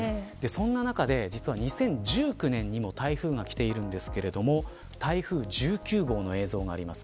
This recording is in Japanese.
その中で２０１９年にも台風が来ているんですが台風１９号の映像があります。